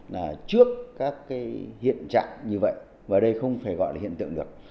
là trước các cái hiện trạng như vậy và đây không phải gọi là hiện tượng được